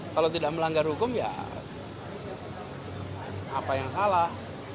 kalau tidak melanggar hukum ya apa yang salah